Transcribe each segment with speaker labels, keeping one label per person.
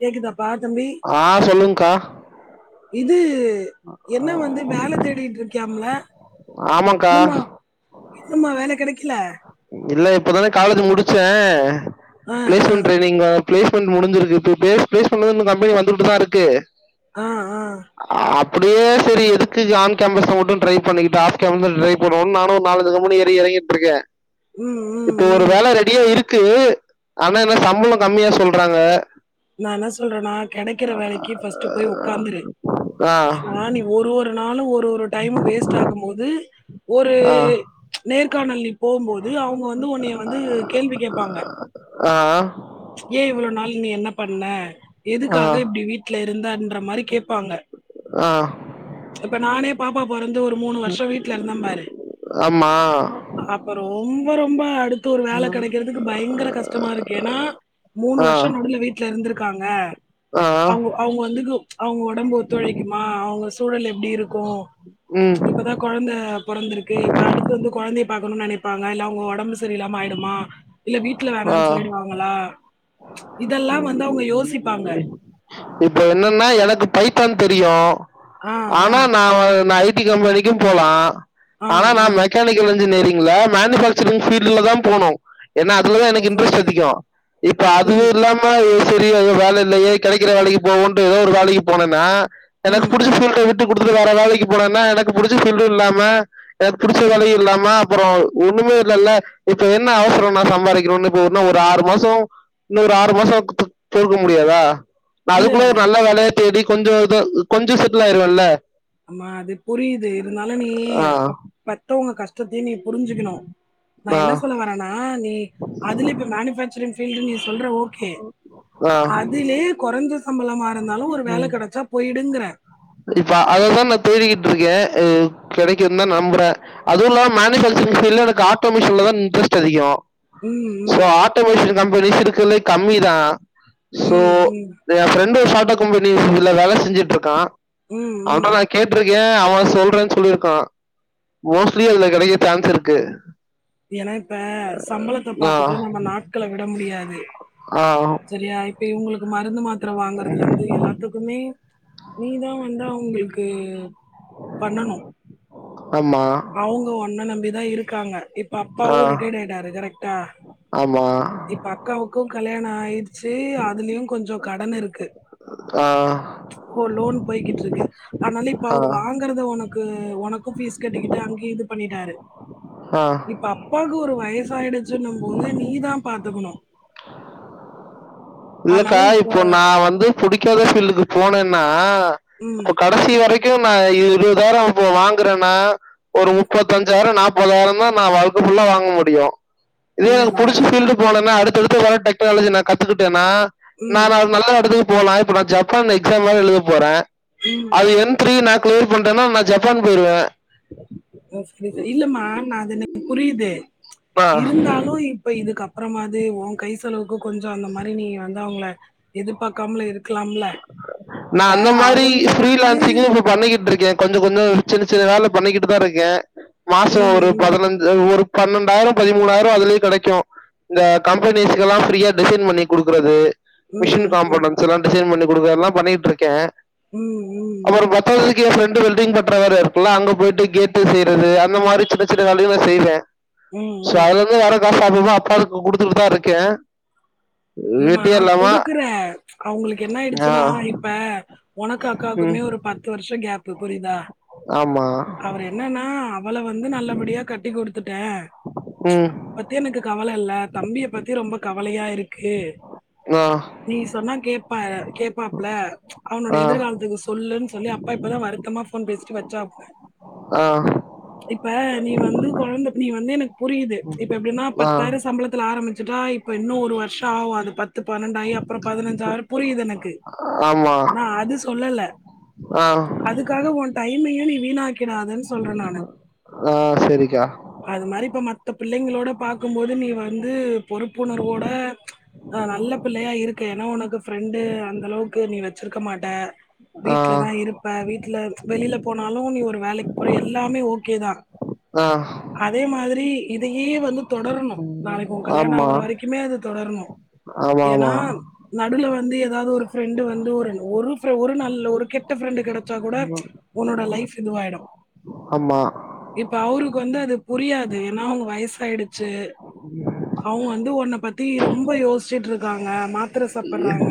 Speaker 1: கேக்குதாப்பா தம்பி
Speaker 2: [inaudible] ஆஹ் சொல்லுங்க்கா
Speaker 1: இது என்ன வந்து வேல தேடிட்டு இருக்கியாம்ல
Speaker 2: ஆமாங்க்கா
Speaker 1: இன்னுமா இன்னுமா வேல கெடக்கல
Speaker 2: இல்ல இப்பதானே காலேஜ் முடிச்சேன்
Speaker 1: ஆ
Speaker 2: பிளேஸ்
Speaker 1: ஆ
Speaker 2: ஒன் ட்ரைனிங்க பிளேஸ்மெண்ட் முடிஞ்சிருக்கு இப்ப பிளேஸ் பிளேஸ்மெந்துலா கம்பெனி வந்துட்டுதான் இருக்கு
Speaker 1: ஆ ஆ
Speaker 2: ஹாப் அப்படியே சரி எதுக்கு ஆன் கேம்பஸ்ல மட்டும் ட்ரை பண்ணிக்கிட்டு ஆஸ்க் கேம்பஸ் ட்ரை பண்ணுவோம் நானும் ஒரு நாலு அஞ்சு கம்பெனி ஏறி இறங்கிற்று இருக்கேன்
Speaker 1: ம் ம்
Speaker 2: இப்ப ஒரு
Speaker 1: ம்
Speaker 2: வேலை ரெடியா இருக் இருக்கு ஆனா என்ன சம்பளம் கம்மியா சொல்றாங்க
Speaker 1: நான் என்ன சொல்றேன்னா கிடைக்கிற வேலைக்கு ஃபர்ஸ்ட் போய் உக்காந்துரு
Speaker 2: ஆ
Speaker 1: ஏனா நீ ஒரு ஒரு நாளும் ஒரு ஒரு டைம்மு வேஸ்ட் ஆகும்போது ஒரு
Speaker 2: ஆ
Speaker 1: நேர்காணல் நீ போகும்போது அவங்க வந்து உன்னைய வந்து கேள்வி கேட்பாங்க
Speaker 2: ஆஹ்ஆஹ்
Speaker 1: ஏன் இவ்வளவு நாள் நீ என்ன பண்ண
Speaker 2: ஆ
Speaker 1: எதுக்காக இப்படி வீட்டுல இருந்தன்ற மாதிரி கேப்பாங்க
Speaker 2: ஆஹ்
Speaker 1: இப்ப நானே பாப்பா பார் வந்து ஒரு மூணு வருஷம் வீட்டுல இருந்தே பாரு
Speaker 2: ஆமா
Speaker 1: அப்புறம் ரொம்ப ரொம்ப அடு ஒரு வேலை கிடைக்கிறதுக்கு பயங்கர கஷ்டமா இருக்கு ஏன்னா மூணு
Speaker 2: ஆ
Speaker 1: வருஷம் நடுல வீட்டுல இருந்திருக்கு காங்க
Speaker 2: ஆ
Speaker 1: அவங்க அவங்க வந்துகு அவங்க உடம்பு ஒத்துழைக்குமா அவங்க ஸ் துழல் எப்படி இருக்குகோம்
Speaker 2: ம்
Speaker 1: இப்பதான் கொழந்த பொறந்துருக்கு இப்ப அடுத்து வந்து கொழந்தைய பாக்கனும்ன்னு நெனப்பாங்க இல்ல அவங்க உடம்பு ஸ் சரியில்லாம ஆயிடுமா இல்ல வீட்டுல வேணாம்ன்னு சொல்லிடுவாங்களா இதெல்லாம் வந்து அவங்க யோசிப்பாங்க
Speaker 2: இப்ப என்னன்னா எனக்கு பைத்தான் தெரியும்
Speaker 1: ஆ ஆ
Speaker 2: ஆனா நான் நை ட்டி கம்பெனிக்கும் போலாம்
Speaker 1: ஆ
Speaker 2: ஆனா
Speaker 1: ஆ
Speaker 2: நான் மெக்கானிக்கல் இன்ஜினியேரி இல்ல மேனுபேக்சரிங் ஃபீல்டுல தான் போனும் ஏன்னா அதுலதான்
Speaker 1: ஓ,
Speaker 2: எனக்கு
Speaker 1: சரி
Speaker 2: இன்ட்ரெஸ்ட் அதிகம் இப்ப
Speaker 1: ம்
Speaker 2: அதுவும் இல்லாம ஒ சரி அது வேலை இல்லையே கிடைக்கிற வேலைக்கு போவோன்ட்டு ஏதோ ஒரு வேலைக்கு போனன்னா எனக்கு
Speaker 1: ம்
Speaker 2: புடிச்ச பீல்ட் அது உட்டு குடுத்து வேர வேலைக்கு போனனா எனக்கு புடிச்ச பீல்டும் இல்லாம எனக்கு புடிச்ச
Speaker 1: ம்
Speaker 2: வேலையும் இல்லாமா அப்புறம் ஒண்ணுமே இல்லல இப்ப என்ன அவசரம் நான் சம்பாரிக்கணும்னு இப்ப ஒரு ஆறு மாசம் இன்னொரு ஆறு மாசம் பொறுக்க முடியாதா நா
Speaker 1: இல்ல
Speaker 2: அதுக்குள்லே ஒரு நல்ல வேலைய தேடி கொஞ்சோ இத கொஞ்சோ செட்டில் ஆயிருவன்ல
Speaker 1: ஆமா அது புரியுது இருந்தாலும் நீ
Speaker 2: ஆ
Speaker 1: அப் பெத்தவங்க கஷ் டத்தையும் நீ புரிஞ்சுக்கணும் நான்
Speaker 2: ஆ
Speaker 1: என்ன சொல்ல வரேனா நீ அதுல இப்ப மேனுஃபக்சரிங் ல்டு நீ சொல்ற ஓக்கே
Speaker 2: ஆ
Speaker 1: அதுலேயே கொரஞ்சு சம்பளமா இருந்தாலும் ஒரு வேல கிடைச்சா போயிடுங்கறேன்
Speaker 2: தேடிகிட்டு இருக்கேன் கிடைக்குது தான் நம்புறே அதுவும் இல்லாம மேனுஃபேக்சரிங் ஃபைல் எனக்கு ஆட்டோமேஷின்ல தான் இன்ட்ரெஸ்ட் அதிகம்
Speaker 1: ம்
Speaker 2: சோ
Speaker 1: ம்
Speaker 2: ஆட்டோமஷன் கம்பெனிஸ் இருக்க கம்மி தான் சோ
Speaker 1: ம் ம்
Speaker 2: ஏ ஃபிரெண்ட் தோஷ் ஆட்டோ கம்பெனில வேல செஞ்சுட்டு இருக்கான்
Speaker 1: ம்
Speaker 2: ஆமா
Speaker 1: ம்
Speaker 2: நான் கேட்டுருக் அவன் சொல்றேன்னு சொல்லியிருக்கான் மோஸ்ட்லி அதுல கிடைக்க சான்ஸ் இருக்கு
Speaker 1: ஏன்னா இப்ப சம்பளத்த
Speaker 2: ஆ,
Speaker 1: பாத்துட்டுட்டு நம்ம நாட்கள விட முடியாது
Speaker 2: ஆ,
Speaker 1: [unintelligible] செரியா இப்ப இவங்களுக்கு மருந்து மாத் த்திர வாங்கறதுல இருந்து எல்லாத்துக்குமே நீதான் வந்து அவங்களுக்கு பண்ணணும்
Speaker 2: ஆமா.
Speaker 1: அவங்க உன்ன நம்பி தான் இருக் இருக்காங்க இப்ப
Speaker 2: ஆ,
Speaker 1: அப்பாவும் ரிட்டை்ட ஆயிட்டாரு கரெக்டா
Speaker 2: ஆமா.
Speaker 1: இப்ப அக்காவுக்கும் கல்யாணம் ஆயி சரி அதுலயும் கொஞ்சோ கடன் இருக்கு
Speaker 2: ஆ,
Speaker 1: லோன் போய்கிட்டு இருக் அதனால இப்ப
Speaker 2: ஆ,
Speaker 1: அவர் வாங்கறத உனக் உனக்கும் பீஸ் கட்டிக்டா இது பண்ணிட்டாரு
Speaker 2: ஆ.
Speaker 1: இப்ப அப்பாக்கு ஒரு வயசாயிடுச்சி சொல்லும் போது நீதான் பாத்துக்கணும் அதனால
Speaker 2: இல்லக்கா
Speaker 1: இப்ப
Speaker 2: இப்போ நான் வந்து புடிக்காத ப்பீல்டுக்கு போனேன நான்
Speaker 1: ம்
Speaker 2: இப்ப கடைசி வரைக்கும் நான் இருபதாயிரம் இப்ப வாங்குறேன்னா ஒரு முப்பத்தஞ்சாயிரம் நாப்பதாயிரம் தான் நான் வாழ்க்கப்புல்லா வாங்க முடியும் இதே எனக்கு
Speaker 1: இல்லடா
Speaker 2: புடிச்ச பீல்டு போனனா அடுத்து இப்ப இருக்க டேக்நலேஜ் நான் கத்துக்கிட்டு ட்டனா
Speaker 1: ம்
Speaker 2: நான் அவ நல்லா வது போனாம் இப்ப நான் ஜப்பான் எக்ஸாம் தான் எழுத போறேன்
Speaker 1: ம்
Speaker 2: அது வெறும் தீரி கிளோர் பண்டேன்னா நான் ஜப்பான் போயிடுவேன்
Speaker 1: சரி சரி இல்லமா நான் அத எனக்கு புரியுது
Speaker 2: ஆ.
Speaker 1: இருந்தாலும் இப்ப இதுக்குப்புற அப்புறமாதுஉங்க கைசெலவுக்கு கொஞ்சம் அந்த மாதிரி நீ வந்து அவங்கள எதிர்பார்க்காமல இரு
Speaker 2: நான் அந்த மாதிரி
Speaker 1: அவங்க வந்து
Speaker 2: ஸ்ரீலான்சிங்கு இப்ப நான் பண்ணிக்கிட்டு இருக்கேன் கொஞ்சம் கொஞ்சம் சின்ன சின்ன வேலை பண்ணிக்கிட்டு தான் இருக்கேன் மாசம்
Speaker 1: ம்
Speaker 2: ஒரு
Speaker 1: ம்
Speaker 2: பதினஞ்சு ஒரு பன்னெண்டாயிரம் பதிமூணாயிரம் அதுலயே கிடைக்கும் இந்த கம்பெனிஸ்க எல்லாம் ஃப்ரீயா டிசைன் பண்ணி கொடுக்குறது
Speaker 1: ம்
Speaker 2: மிஷின்
Speaker 1: ம்
Speaker 2: காம்பவுண்டன்ஸ் எல்லாம் பண்ணி கொடுக்கற எல்லாம் பண்ணிட்டு இருக்கேன்
Speaker 1: ம் ம் ம்
Speaker 2: அப்பறம் பத்தாதக்கு ரெண்டு வெல்டிங் பட்ற வேற இருக்குல்ல அங்க போயிட்டு கேட் செய்யறது அந்த மாதிரி சின்ன சின்ன வேலைகள்லா செய்வேன்
Speaker 1: உம் உம்
Speaker 2: அக்கா சாமியமாக்க அப்பா குடுத்துட்டு தான் இருக்கேன்
Speaker 1: இல்லமா
Speaker 2: வெட்டியே இல்லாம
Speaker 1: கொடுக்குற அவங்களுக் என்ன
Speaker 2: ஆ
Speaker 1: ஆயிடுச்சுன்னா இப்ப ஒனக்கு
Speaker 2: ம்
Speaker 1: அக்காவுக்குமே ஒரு பத்து வருஷம் கேப் புரியுதா
Speaker 2: ஆமா
Speaker 1: அவர் என்னன்னா அவள வந்து நல்லபடியா கட்டி குடுத் த்துட்டேன்
Speaker 2: ம்
Speaker 1: பத்தி எனக்கு கவலை இல்ல தம்பிய பத்தி ரொம்ப கவலயா இருக்கு கு
Speaker 2: ஆ
Speaker 1: நீ சொன்னா கேப்ப கேப்பாப்ல அவனோட
Speaker 2: ஆ
Speaker 1: எதிர்காலத்துக்கு சொல்லுன்னு சொல்லி அப்பா இப்பதான் வருத்தமா போன் பேச வச்சப்புல்லா
Speaker 2: ஆ
Speaker 1: இப்ப நீ வந்து குழந்தை நீ வந்து எனக்கு புரியுது இப்ப எப்பிடின்னா
Speaker 2: ஆ
Speaker 1: பத்தாயிரம் சம்பளத்துல ஆரம்பி டா இப்போ ஓரு வருஷம் ஆவு அது பத் த்து பன்னெண்டாயி அப்றோ பதினஞ்சாயிரு புரியுது எனக்கு
Speaker 2: ஆமா
Speaker 1: நா அது சொல்லல
Speaker 2: ஆ
Speaker 1: அதுக்காக உன் டை மயு நீ வீணாக் கிடாதுன்னு சொல்றே நானு
Speaker 2: ஆ சரிக்கா
Speaker 1: அது மாரி இப்ப மத்த பிள்ளைங்களோட பாக்கும்போது நீ வந் து பொறுப்புணர்வோட ஆ நல்ல பிள்ளையா இருக்க ஏன்னா உனக்கு ஃப்ரெண்டு அந்த அளவுக்கு நீ வச்சிருக்க மாட்ட வீட்லதா
Speaker 2: ஆ
Speaker 1: இருப்ப வீட்ல வெளில போனாலு நீ ஒரு வேலைக்கு போற எல்லாமே ஓகேதா
Speaker 2: ஆ
Speaker 1: அதே மாதிரி இதயே வந்து தொடரணு நாளைக்கு உன் கல்யாணோ
Speaker 2: ஆமா
Speaker 1: ஆகுற வரைக்குமே அது தொடரணு
Speaker 2: ஆமா
Speaker 1: ஏன்னா
Speaker 2: ஆமா
Speaker 1: நடுல வந்து எதாவது ஒரு பிஃரெண்ட் வந்து ஒரு ஒரு ஃபிர ஒரு நல்ல ஒரு கெட்ட ஃபிரெண்ட் கெட ச்சா கூட உன்னோட லைஃப் இதுவாயிடும்
Speaker 2: ஆமா
Speaker 1: இப்ப அவுரு க்கு வந்து அது புரியாது ஏன்னா அவங்க வயசாயிடுச்சு அவங்க வந்து உன்ன பத்தி ரொம் ப யோசிச்சுட்டு இருக்காங்க மாத்திர சாப்பர்றாங்க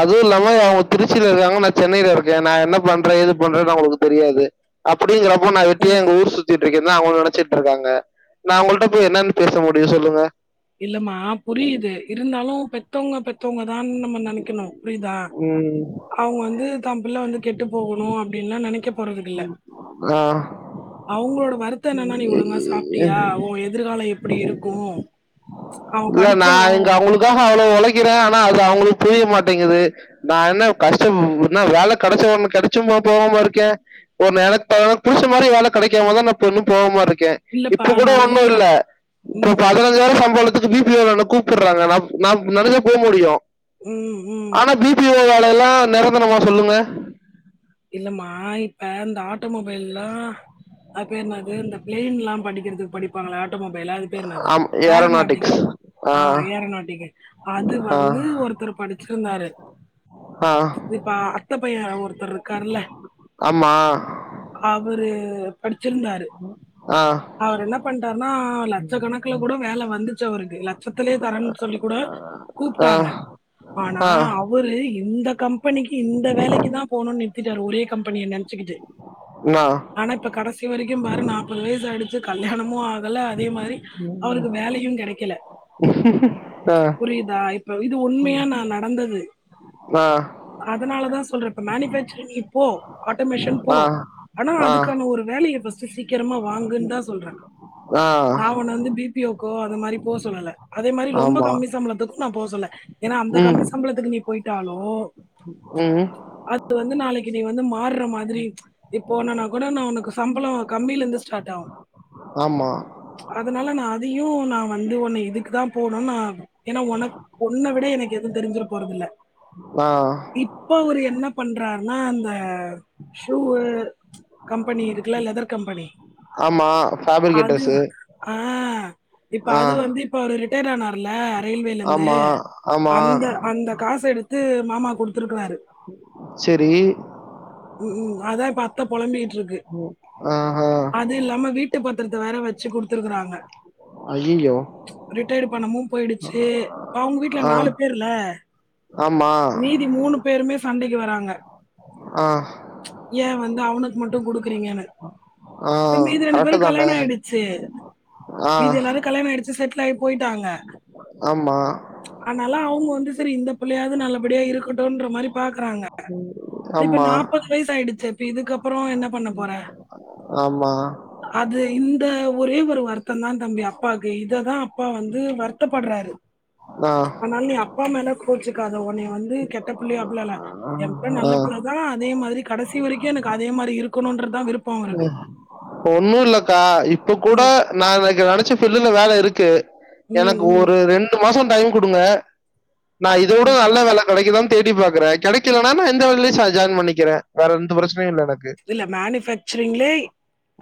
Speaker 2: அதுவு இல்லாம அவங்க திருச்சியில இருக்காங்க நா சென்னையில இருக்கே நா என்ன பண்றே ஏது பண்றேன்னு அவுங்களுக்கு தெரியாது அப் டிங்கிறப்ப நா வெட்டியா
Speaker 1: ம்.
Speaker 2: இங்க ஊர் சுத்திட் டு இருக்கேன்னு அவங்க நெனைச்சுட்ருக்காங்க நான் அவுங்கள்ட்ட போய் என்னன்னு பேச முடியு சொல்லுங்க
Speaker 1: இல்லமா புரியுது இருந்தாலு பெத்தவுங்க பெத் தவங்கதான்னு நம்ம நெனைக்கணு புரியுதா
Speaker 2: உம்
Speaker 1: அவங்க வந்து தன் பிள்ள வந்து கெட்டுப் போகணு அப்டின்லா நெனைக்க போறதில்ல.
Speaker 2: ஆஹ்
Speaker 1: வருத்தோ என்னன்னா நீ ஒழுங்கா சாப்ட்டியா உன் எதிர்காலோ எ ப்டி இருக்கு
Speaker 2: இல்ல நா இங்க அவுங்களுக்காக அவ்ளவு ஒழைக்கிறே ஆனா அது அவுங்களுக்கு புரிய மாட்டேங்குது நா என்ன கஷ்ட என்ன வேல கெடைச்சு கெடைச்சுமா போகாம இருக்கே ஒரு எனக்கு தகுந்த புடிச்ச மாரி வேல கெடைக்காமதா நா இன்னு போகாம இருக் கே
Speaker 1: இல்லப்பா
Speaker 2: இப்ப கூட
Speaker 1: நானு
Speaker 2: ஒன்னு இல்ல இப்ப
Speaker 1: ம்,
Speaker 2: பதனஞ்சாயிர சம்பளத் துக்கு பி பி ஓ ல என்ன கூப்பட்றாங்க நா நா நெனச்சா போமுடியு
Speaker 1: ம், ம்.
Speaker 2: ஆனா பி பி ஓ வேல எல்லாம் நெரந்தனமா சொல்லுங்க
Speaker 1: இல்லமா இப்ப இந்த ஆட்டோ மொபைல்லாம் அது பேரு என்னது இந்த பிளைன்லாம் படி எடுத்து படிப்பாங்களா ஆட்டோமொபைலா அது பேர் என்னாது
Speaker 2: ஆம் ஏரோநாட்டிக்ஸ்
Speaker 1: ஆரோநாட்டிகள் ஆ ஏரோநாட்டிக்கல் அது
Speaker 2: ஆ
Speaker 1: வந்து ஒருத்தர் படிச்சு சொன்னாரு
Speaker 2: ஆ
Speaker 1: இப்பா அத்த பையன் ஒருத்தரு வர்ல
Speaker 2: ஆமா
Speaker 1: அவரு ரு படி இருந்தாரு
Speaker 2: ஆ
Speaker 1: அவுரு என்ன பண்ட்டாருனா லட்ச கணக்குல கூட வேலை வந்துச்சு அவுருக்கு லட்சத்திலயே தரேன்னு சொல்லி கூட
Speaker 2: ஆ
Speaker 1: கூப்ட்டாங்க ஆனா
Speaker 2: ஆ
Speaker 1: அவுரு இந்த கம்பெனிக்கு இந்த வேலைக்கு தான் போணும்னு போய்ட்டாரு ஒரே கம்பெனிய நினைச்சுக்கிட்டு
Speaker 2: அண்ணா.
Speaker 1: ஆனா இப்ப கடைசி வரைக்கும் பாரு நாற்பது வயசு அடுத் து கல்யாணமும் ஆகல அதே மாரி அவுருக்கு வேலையும் கெடைக்கல
Speaker 2: ஆ
Speaker 1: புரியிதா இப்ப இது உண்மையா நான் நடந்தது
Speaker 2: ஆ
Speaker 1: அதனாலதான் சொ இப்ப மேனிஃபேச் நீ போ ஆட்டோமேஷன் போ
Speaker 2: ஆ
Speaker 1: ஆனா
Speaker 2: ஆ
Speaker 1: அதுக்கான ஒரு வேலைய ஃபஸ் சீக்கிரமா வாங்குன்னு தான் சொல்றேன்
Speaker 2: ஆ
Speaker 1: நான் ஒன்ன வந்து பி பி ஓ க்கோ அந்த மாரி போ சொல்லல அதே மாரி ரொம்ப
Speaker 2: ஆமா
Speaker 1: கம்மி சம்பளத்துக்கும் நான் போ சொல்ல ஏன்னா அந்த கம்மி சம்பளத்துக்கு நீ போய்ட்டாலோ
Speaker 2: உம்
Speaker 1: வந்து நாளைக்கு நீ வந்து மாறுற மாதிரி நீ போனனா கூட நான் உனக்கு சம்பளம் கம்மியில இருந்து ஸ்டாட் ஆவும்
Speaker 2: ஆமா
Speaker 1: அதனால நான் அதையும் நான் வந்து உன்ன இதுக்கு தான் போனுனா ஆகும் ஏன்னா உனக் உன்ன விட எனக்கு எதுவும் தெரிஞ்சுற போறதில்ல
Speaker 2: ஆ
Speaker 1: இப்ப ஒரு என்ன பன்றா ஆனா அந்த சூவு கம்பெனி இருக்குல லெதர் கம்பெனி
Speaker 2: ஆமா ஃபேப்ரிகேட்டர்ஸு
Speaker 1: அதுவா ஆஹ் இப்ப
Speaker 2: ஆ
Speaker 1: அது வந்து இப்ப தேங்கா நாருல ரயில்வேலருந்து
Speaker 2: ஆமா ஆமா
Speaker 1: அந்த அந்த காசு எடுத்து மாமா குடுத்துருக்குறாரு
Speaker 2: செரி
Speaker 1: உம் அதான் இப்ப அத்த பொழம்பிட்டு
Speaker 2: ஆஹா
Speaker 1: பத்ரத்த வேற வச்சு குடுத்துருக்குறாங்க
Speaker 2: ஐயையோ
Speaker 1: ரிட்டய்டு பணமும் போயிடுச்சு அவுங்க வீட்ல
Speaker 2: ஆ
Speaker 1: நாலு பேர்ல
Speaker 2: ஆமா
Speaker 1: மீதி மூணு பேருமே சண்டைக்கு வராங்க
Speaker 2: ஆ
Speaker 1: ஏன் வந்து அவனுக்கு மட்டும் குடுத்து குடுக்கிறிங்கனு
Speaker 2: ஆ
Speaker 1: மீதி ரெண்டு
Speaker 2: கரெக்ட்டு
Speaker 1: பேருக்கும்
Speaker 2: தான
Speaker 1: கல்யாணம் ஆயிடுச்சு
Speaker 2: ஆ
Speaker 1: மீதி எல்லாரும் கல்யாணம் ஆயிடுச்சு செட்டில் ஆயி போய்ட்டாங்க
Speaker 2: ஆமா
Speaker 1: அவங்க வந்து சேரி இந்த புள்ளயாது நல்ல அப்டியே இருக்கட்டும்ன்ற்ற மாரி பாக் கூப்றாங்க இப்ப
Speaker 2: ஆமா
Speaker 1: நாப்பது வயசு ஆயிடுச்சு இ இதுக்கப்பறோம் என்ன பண்ண போற
Speaker 2: ஆமா
Speaker 1: அது இந்த ஒரே ஒரு வார்த் அது தான் தம்பி அப்பாக இததான் அப்பா வந்து வருத்தப்படுறாரு
Speaker 2: ஆ
Speaker 1: ஆனா நீ அப்பா மேல போச்சுக்கா அத ஒன வந்து கெட்ட புள்ளயா பிள்ளல எ நல்ல
Speaker 2: ஆ
Speaker 1: பிள்ள தான் அதே மாரி கடைசி வரைக்கும் எனக்கு அதே மாரி இருக்கணும்ன்றதான் விருப்பம் அவருக்கு.
Speaker 2: ஒன்னும் இல்லக்கா இப்ப கூட
Speaker 1: ம்,
Speaker 2: நான்க நச்ச பில்லுல வேல இருக்கு
Speaker 1: ம்,
Speaker 2: எனக்கு
Speaker 1: ம்,
Speaker 2: ஒரு ரெண்டு மாசம் டைம் குடுங்க நான் இத விட
Speaker 1: ம்.
Speaker 2: நல்ல வேல கெடைக்குதான் தேடி பாக்குறேன் கெடக்கலனா நான் இந்த வழில ச ஜாயின் பண்ணிக்கிறேன் வேற எந்த பிரச்சனயும் இல்ல எனக்
Speaker 1: இல்ல மேனுபேக் சரிங்ல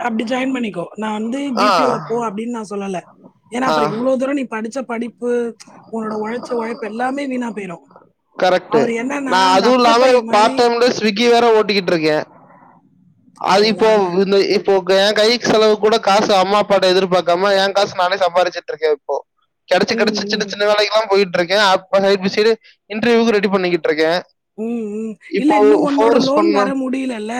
Speaker 1: அப்டி ஜாயின் பண்ணிக்கோ நான் வந்து
Speaker 2: ஆ,
Speaker 1: பிபிஓட போ அப்டின்னு நான் சொல்லல ஏன்னா
Speaker 2: ஆ
Speaker 1: அப்புற இவ்வளவு தூரம் நீ படிச்ச படி உன்னோட உழைச்ச உழைப்பு எல்லாமே வீணா போயிரும்
Speaker 2: கரெக்ட்டு.
Speaker 1: அவரு என்னன்னா
Speaker 2: நான்
Speaker 1: இந்த
Speaker 2: அதுவும்
Speaker 1: அத்த
Speaker 2: இல்லாம
Speaker 1: பைய மாரி
Speaker 2: பார்ட் டைம்ல ஸ்விக்கி வேற ஓட்டிக்கிட்டு இருக்கேன். அது இப்போ
Speaker 1: அதுதாங்க.
Speaker 2: இப்போ என் கைக்கு செலவு கூட காசு அம்மா அப்பா எதிர்பாக்காம என் காசு நானே சம்பாதிச்சுட்டு இருக்கேன் இப்போ கிடைச்சு
Speaker 1: ம்,
Speaker 2: கிடைச்சு சின்ன
Speaker 1: ம்.
Speaker 2: சின்ன வேலைக்குல்லாம் போயிட்டு இருக்கே சை சைடு இன்டர்வியூக்கு ரெடி பண்ணிட்டு இருக்கேன்
Speaker 1: ம், ம். இல்ல
Speaker 2: இப்போ
Speaker 1: இன்னும் உன்னோட
Speaker 2: ஃபோர்ஸ்
Speaker 1: லோன்
Speaker 2: பண்ணா
Speaker 1: வேற முடியலல்ல.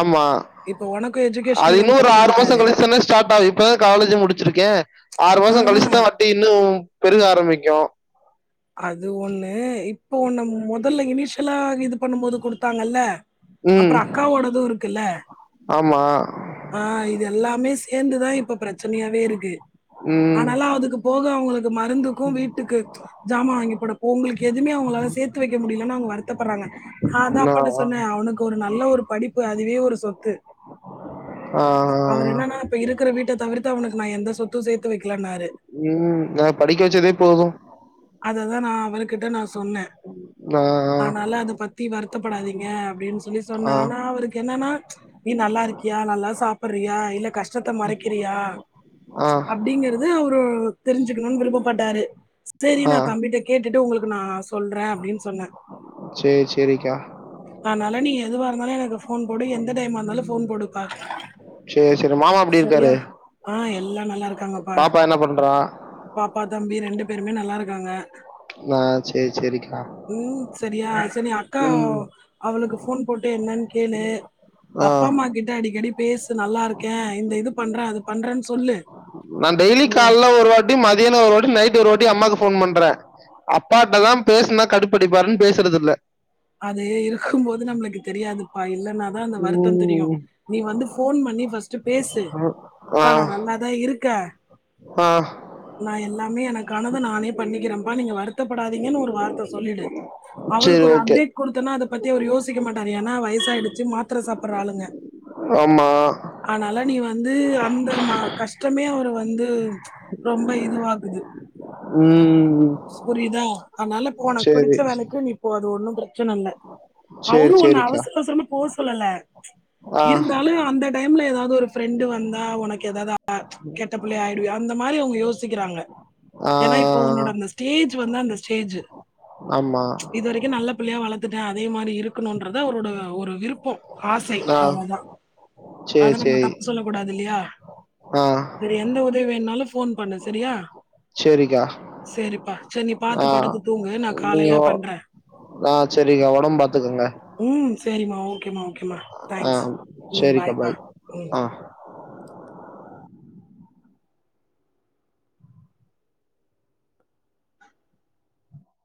Speaker 2: ஆமா
Speaker 1: இப்ப உனக்கும்
Speaker 2: அது
Speaker 1: எஜுகேஷன் லோன்
Speaker 2: இன்னும் ஒரு
Speaker 1: கட்டிட்டு
Speaker 2: ஆறு மாசம்
Speaker 1: இருக்காரு.
Speaker 2: கழிச்சு தானே ஸ்டார்ட் ஆகும் இப்பதான் காலேஜ் முடிச்சிருக்கேன் ஆறு மாசம்
Speaker 1: ஆஹா,
Speaker 2: கழிச்சுதான் வாட்டி இன்னும் பெருக ஆரம்பிக்கும்
Speaker 1: அது ஒண்ணு இப்ப ஒண்ணு முதல்ல இனிஷியலா இது பண்ணும் போது கொடுத்தாங்கல்ல
Speaker 2: ம்.
Speaker 1: அப்புறம் அக்காவோடதும் இருக்குல்ல
Speaker 2: ஆமா.
Speaker 1: ஆஹ் இது எல்லாமே சேந்துதான் இப்ப பிரச்சனையாவே இருக்கு
Speaker 2: ம்.
Speaker 1: ஆனாலும் அதுக்கு போக அவங்களுக் மருந்துக்கும் வீட்டுக்கு சாமான் வாங்கி போடவும் உங்களுக்கு எதுவுமே அவங்களால சேர்த்து வைக்க முடிய அவங்க வருத்தப்படுறாங்கா நா அதா
Speaker 2: நான்
Speaker 1: அப்பாட்ட சொன்ன அவனுக்கு ஒரு நல்ல ஒரு படிப் அதுவே ஒரு சொத்து
Speaker 2: ஆ.
Speaker 1: அவர் என்னன்னா இப்ப இருக்கிற வீட்ட தவிர்த்து அவனுக்கு நான் எந்த சொத்தும் சேர்த்து வைக்கலன்னாரு.
Speaker 2: உம் நான் படிக்க வச்சதே போதும்
Speaker 1: தான் நான் அவர் கிட்ட நான் சொ சொன்ன
Speaker 2: நான்
Speaker 1: ஆனால அத பத்தி வந் வருத்தப்படாதீங்க அப்படின்னு சொல்லி
Speaker 2: ஆ.
Speaker 1: சொன்னேன் ஆனா அவருக்கு என்னன்னா நீ நல்லா இருக்கியா நல்லா சாப்பிடுறியா இல்ல கஷ்டத்த மறைக்கிறியா
Speaker 2: ஆ.
Speaker 1: அப்படிங்கறது அவரு தெரிஞ்சுக்கணும்னு விருப்பப்பட்டாரு செரி
Speaker 2: ஆ.
Speaker 1: நான் தம்பிட்ட கேட்டுட்டு உங்களுக்கு நான் சொல்றேன் அப்படின்னு சொன்ன
Speaker 2: சரி, சரிக்கா.
Speaker 1: நீ எதுவ இருந்தாலும் எனக் ஃபோன் போடு எந்த டைமா இருந்தாலும் ஃபோன் போடு பா
Speaker 2: சரி, சரி. மாமா எப்படி
Speaker 1: செரியா
Speaker 2: இருக்காரு?
Speaker 1: ஆ ஏ [unintelligible]
Speaker 2: பாப்பா என்ன பண்றா
Speaker 1: பாப்பா தம்பி ரெண்டு பேருமே நல்லா இருக்காங்க
Speaker 2: ஆ சரி, சரிக்கா.
Speaker 1: உம் செரியா செரி அக்கா
Speaker 2: ம்.
Speaker 1: அவளுக்கு ஃபோன் போட்டு என்னன்னு கேளு அப்பா
Speaker 2: ஆ.
Speaker 1: அம்மா கிட்ட அடிக்கடி பேசு நல்லா இருக்கேன் இந்த இது பண்றேன் அது பண்றேன்னு சொல்லு
Speaker 2: நான் டெய்லி
Speaker 1: ஓ
Speaker 2: கால்ல ஒரு வாட்டி மத் தியானம் ஒரு வாட்டி நைட் ஒரு வாட்டி அம்மாக்கு போன் பண்ற அப்பாகிட்டதா பேசுனா கட்டுப்படிப்பாருன்னு பேசுறது இல்ல
Speaker 1: அது இருக்கும் போது நம்ளுக்கு தெரியாது பா இல்லன்னா தான் அந்த வருத்தம் தெரியும்
Speaker 2: உம்,
Speaker 1: நீ வந்து ஃபோன் பண்ணி ஃபர்ஸ்ட்டு பேசு
Speaker 2: ஆ
Speaker 1: அப்பா நா நல்லா தான் இருக்க
Speaker 2: ஆ
Speaker 1: [unintelligible] நான் எல்லாமே எனக்கு கனவ நானே பண்ணிக்கிறேன்ப்பா நீங்க வருத்தப்படாதீங்கன்னு ஒரு வார்த்தை சொல்லிடு
Speaker 2: சரி
Speaker 1: அவருக்கு ஒரு
Speaker 2: ஓகே
Speaker 1: அப்டேட் குடுத்தன்னா அத பத்தி அவர் யோசிக்க மாட்டாரு ஏன்னா வயசாயிடுச்சு மாத்தர சாப்பிடுற ஆளுங்க
Speaker 2: ஆமா
Speaker 1: ஆனால நீ வந்து அந்த கஷ்டமே அவரு வந்து ரொம்ப இதுவாக்குது
Speaker 2: உம்
Speaker 1: புரிதா அதனால உனக்கு
Speaker 2: சரி
Speaker 1: பிடிச்ச வேலைக்கு நீ போ அது ஒண்ணும் ப்ற [unintelligible]
Speaker 2: சரி
Speaker 1: அவ்ரும் ஒன்ன
Speaker 2: சரிக்கா
Speaker 1: அவசர அவசரமா போ சொல்லல
Speaker 2: ஆ
Speaker 1: இருந்தாலும் அந்த டைம்ல ஏதாவது ஒரு ப்ரெண்ட் வந்தா உனக்கு ஏதாவது கெட்ட புள்ளையா ஆயிடுயா அந்த மாதிரி அவங் யோச்சி சிக்கிறாங்க
Speaker 2: ஆ
Speaker 1: ஏன்னா இப்போ உன்னோட அந்த ஏஜ் வந்து அந்த ஸ்டேஜ்
Speaker 2: ஆமா
Speaker 1: இது வரைக்கும் நல்ல பிள்ளையா வளர்த்துட்டே அதே மாரி இருக்கணும்ன்றத அவரோட ஒரு விருப்பம் ஆசை
Speaker 2: ஆ
Speaker 1: அவளதான்
Speaker 2: சரி
Speaker 1: அத நம்ம
Speaker 2: சரி
Speaker 1: தப்பு சொல்ல கூடாது இல்லையா
Speaker 2: ஆ
Speaker 1: சரி எந்த உதவி வேனாலும் ஃபோன் பண்ணு செரியா செரி
Speaker 2: ஆஹ் நீங்க
Speaker 1: பண்றேன்
Speaker 2: ஆஹ் சேரிக்கா ஒடம் பாத்துக்கங்க
Speaker 1: சேரிம்மா ஓக் க்கே ஓகேம்மா தேங்க்ஸ் ம் பாய்ப்பா ம்
Speaker 2: உ [unintelligible]